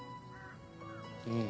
うん。